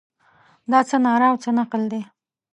دا څه ناره او څه نقل دی.